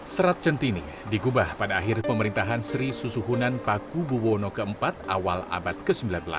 serat centini digubah pada akhir pemerintahan sri susuhunan paku buwono iv awal abad ke sembilan belas